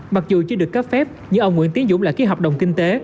mặc dù chưa được cấp phép nhưng ông nguyễn tiến dũng lại ký hợp đồng kinh tế